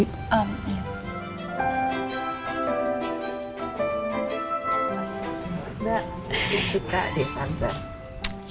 mbak aku suka deh panggang